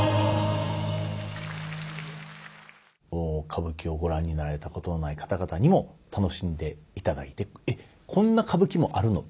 歌舞伎をご覧になられたことのない方々にも楽しんでいただいて「えっこんな歌舞伎もあるの！？」